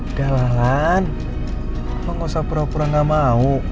udah lalan lo gak usah pura pura gak mau